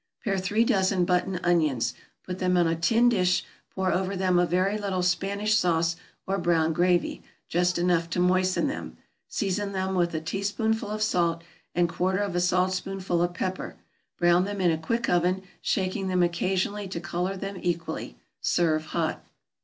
= Pare three dozen button onions, put them on a tin dish, pour over them a very little Spanish sauce or brown gravy, just enough to moisten them, season them with a teaspoonful of salt, and quarter of a saltspoonful of pepper; brown them in a quick oven, shaking them occasionally to color them equally; serve hot.